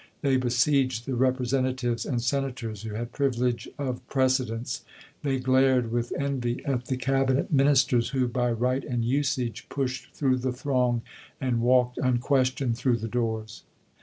They besieged the Representatives and Senators who had privilege of precedence; they THE CALL TO AKMS 69 glared with envy at the Cabinet Ministers who, by chap. iv. right and usage, pushed through the throng and walked unquestioned through the doors.